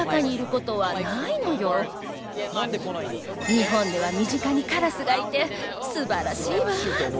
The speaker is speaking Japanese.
日本では身近にカラスがいて素晴らしいわ。